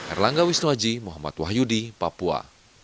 erlangga wisnuaji muhammad wahyudi papua